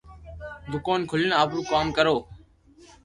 دوڪون کولين آپرو ڪوم ڪرو